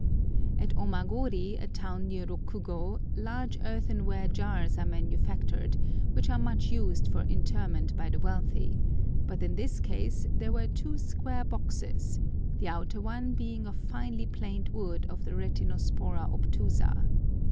At Omagori, a town near Rokugo, large earthenware jars are manufactured, which are much used for interment by the wealthy; but in this case there were two square boxes, the outer one being of finely planed wood of the Retinospora obtusa.